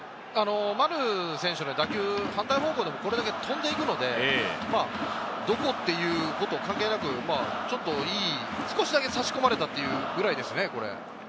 丸選手の打球、反対方向でもこれだけ飛んでいくので、どこということ関係なく、少しだけ差し込まれたというぐらいですね、これ。